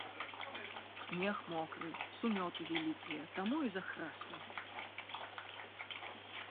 Снег мокры, сумёты вялікія, таму і захраслі.